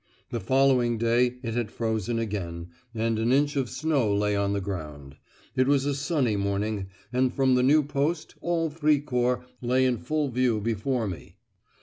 The following day it had frozen again, and an inch of snow lay on the ground. It was a sunny morning, and from the new post all Fricourt lay in full view before me.